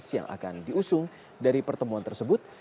yang akan diusung dari pertemuan tersebut